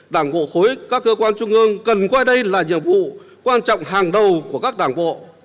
đảng bộ khối các cơ quan trung ương cần coi đây là nhiệm vụ quan trọng hàng đầu của các đảng bộ